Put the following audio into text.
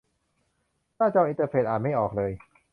หน้าจออินเตอร์เฟซอ่านไม่ออกเลย